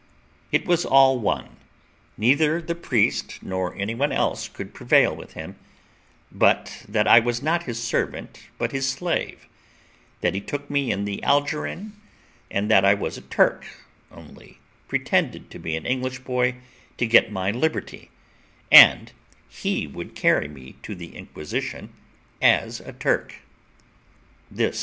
It was all one; neither the priest nor any one else could prevail with him, but that I was not his servant but his slave, that he took me in the Algerine, and that I was a Turk, only pretended to be an English boy to get my liberty, and he would carry me to the Inquisition as a Turk.